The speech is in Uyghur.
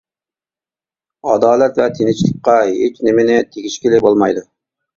ئادالەت ۋە تىنچلىققا ھېچنېمىنى تېگىشكىلى بولمايدۇ.